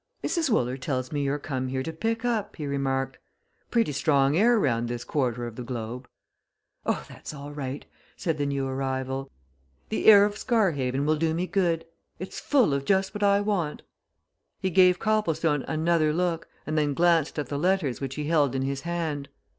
"Mrs. Wooler tells me you're come here to pick up," he remarked. "Pretty strong air round this quarter of the globe!" "Oh, that's all right!" said the new arrival. "The air of Scarhaven will do me good it's full of just what I want." He gave Copplestone another look and then glanced at the letters which he held in his hand.